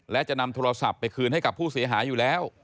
และจะนำโทรศัพท์ไปคืนให้กับผู้เสียหายอยู่แล้ว